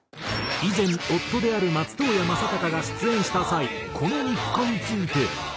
以前夫である松任谷正隆が出演した際この日課について。